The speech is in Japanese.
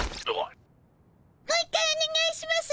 もう一回おねがいします。